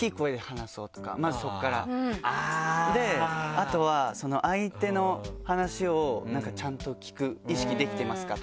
あとは「相手の話をちゃんと聞く意識できてますか」とか。